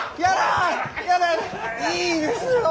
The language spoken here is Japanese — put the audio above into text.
いいですよ。